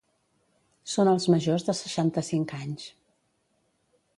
Són els majors de seixanta-cinc anys.